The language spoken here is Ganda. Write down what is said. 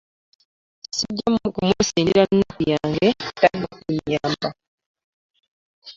Ssijja kumusindira nnaku yange tajja kunnyamba.